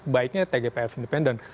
baiknya tgpf independen